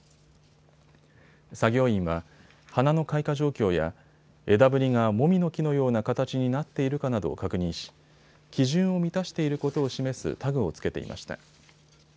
作業員は花の開花状況や枝ぶりがもみの木のような形になっているかなどを確認し、基準を満たしていることを示すタグをつけていました。